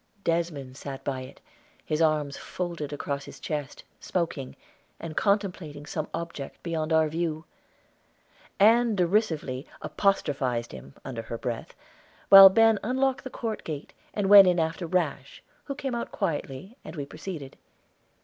Desmond sat by it, his arms folded across his chest, smoking, and contemplating some object beyond our view. Ann derisively apostrophized him, under her breath, while Ben unlocked the court gate and went in after Rash, who came out quietly, and we proceeded.